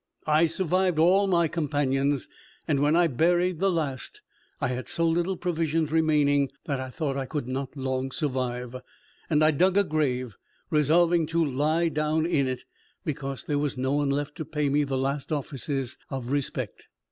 I survived all my companions; and when I buried the last I had so little provisions remaining that I thought I could not long survive, and I dug a grave, resolving to lie down in it, because there was no one left to pay me the last offices of respect.